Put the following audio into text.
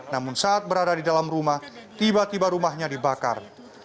namun saat berada di dalam rumah tiba tiba rumahnya dibakar